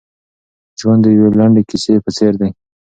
ژوند د یوې لنډې کیسې په څېر دی.